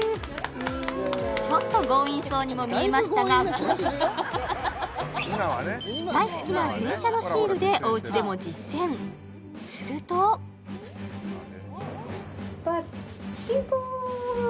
ちょっと強引そうにも見えましたが後日大好きな電車のシールでおうちでも実践すると・出発進行！